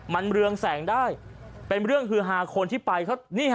มันเรืองแสงได้เป็นเรื่องฮือฮาคนที่ไปเขานี่ฮะ